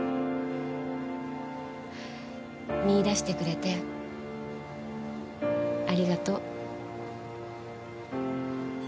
見いだしてくれてありがとう。